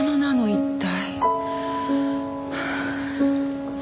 一体。